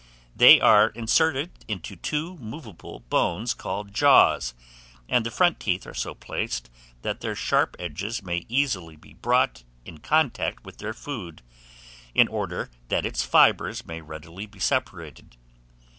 They are inserted into two movable bones called jaws, and the front teeth are so placed that their sharp edges may easily be brought in contact with their food, in order that its fibres may readily be separated.